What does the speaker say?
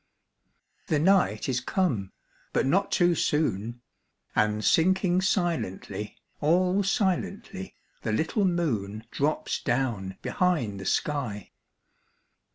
The night is come, but not too soon; And sinking silently, All silently, the little moon Drops down behind the sky.